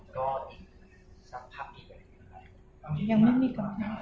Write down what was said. ก็ยาวอะไรก็ก็อีกซับพับอีก